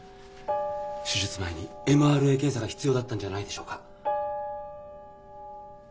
手術前にＭＲＡ検査が必要だったんじゃないでしょうか？